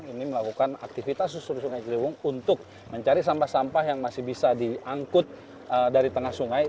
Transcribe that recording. ini melakukan aktivitas susur sungai ciliwung untuk mencari sampah sampah yang masih bisa diangkut dari tengah sungai